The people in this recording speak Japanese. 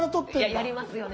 やりますよね。